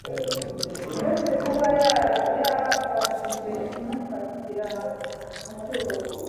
Uretse kuba yabashije kumufatira mu cyuho